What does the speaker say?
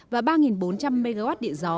và ba bốn trăm linh mw điện gió